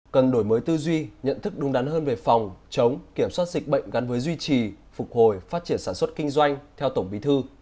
cần đổi mới tư duy nhận thức đúng đắn hơn về phòng chống kiểm soát dịch bệnh gắn với duy trì phục hồi phát triển sản xuất kinh doanh theo tổng bí thư